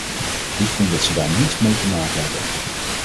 Ik vind dat ze daar niets mee te maken hebben.